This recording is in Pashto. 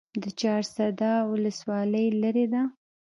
د چهارسده ولسوالۍ لیرې ده